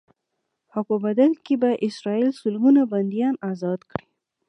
او په بدل کې به اسرائیل سلګونه بنديان ازاد کړي.